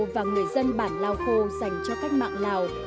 và người dân bản lao khô dành cho cách mạng lào